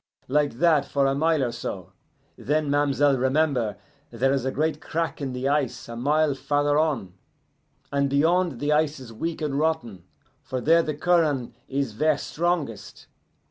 Like that for a mile or so; then ma'm'selle remember there is a great crack in the ice a mile farther on, and beyond the ice is weak and rotten, for there the curren' is ver' strongest.